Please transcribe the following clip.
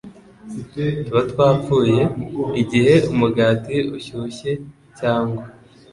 tuba twapfuye. Igihe umugati ushyushye, cyangwa